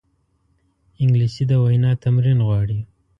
انګلیسي د وینا تمرین غواړي